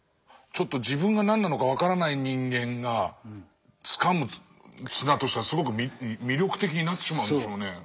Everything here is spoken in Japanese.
ちょっと自分が何なのか分からない人間がつかむ綱としてはすごく魅力的になってしまうんでしょうね。